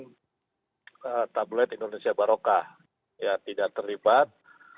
dan tabloid indonesia baroka tidak terlibat